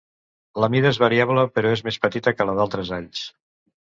La mida és variable, però més petita que la d'altres alls.